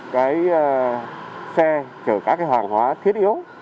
cái xe chở các hoàng hóa thiết yếu